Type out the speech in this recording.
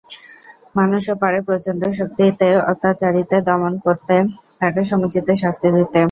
মানুষও পারে প্রচণ্ড শক্তিতে অত্যাচারীকে দমন করতে, তাকে সমুচিত শাস্তি দিতে।